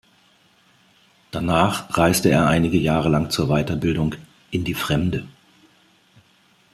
Danach reiste er einige Jahre lang zur Weiterbildung „in die Fremde“.